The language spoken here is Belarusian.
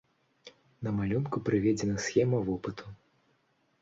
На малюнку прыведзена схема вопыту.